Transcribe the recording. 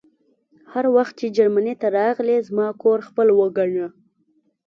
هر وخت چې جرمني ته راغلې زما کور خپل وګڼه